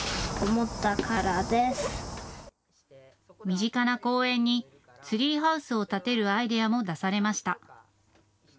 身近な公園にツリーハウスを建てるアイデアも出されました。